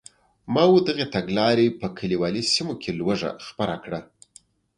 ماوو دغې تګلارې په کلیوالي سیمو کې لوږه خپره کړه.